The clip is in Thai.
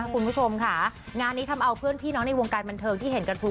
คุณผู้ชมค่ะงานนี้ทำเอาเพื่อนพี่น้องในวงการบันเทิงที่เห็นกันทุก